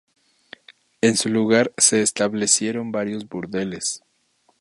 En su lugar se establecieron varios burdeles.